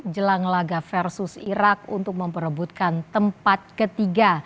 jelang laga versus irak untuk memperebutkan tempat ketiga